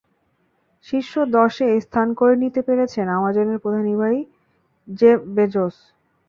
শীর্ষ দশে স্থান করে নিতে পেরেছেন আমাজনের প্রধান নির্বাহী জেফ বেজোস।